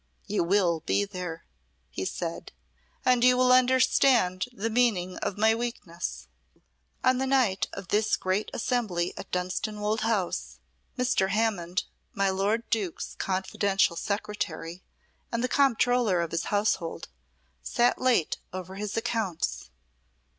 "You will be there," he said, "and you will understand the meaning of my weakness." On the night of this great assembly at Dunstanwolde House, Mr. Hammond, my lord Duke's confidential secretary, and the Comptroller of his household, sate late over his accounts.